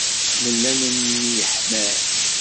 Nella nemyeḥmal.